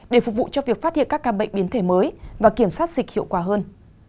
để phục vụ cho việc phát hiện các ca bệnh biến thể mới và kiểm soát dịch hiệu quả hơn